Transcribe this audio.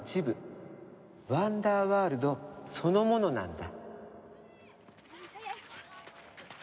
ワンダーワールドそのものなんだ。